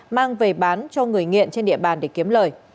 mang về bán cho người nghiện trên địa bàn để kiếm lời